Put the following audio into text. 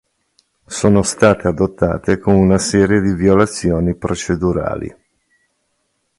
Sono state adottate con una serie di violazioni procedurali.